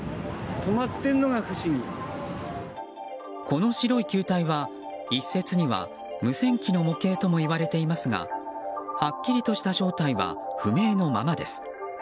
この白い球体は一説には無線機の模型ともいわれていますがはっきりとした正体は不明のままです。